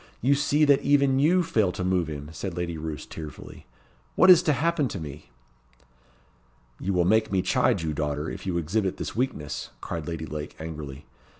you see that even you fail to move him," said Lady Roos, tearfully. "What is to happen to me?" "You will make me chide you, daughter, if you exhibit this weakness," cried Lady Lake, angrily.